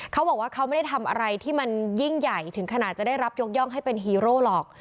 เขาบอกว่าเขาไม่ได้ทำอะไรที่มันยิ่งใหญ่ถึงขนาดจะได้รับยกย่องให้เป็นฮีโร่หรอก